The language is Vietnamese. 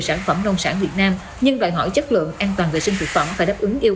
sản phẩm nông sản việt nam nhưng đòi hỏi chất lượng an toàn vệ sinh thực phẩm phải đáp ứng yêu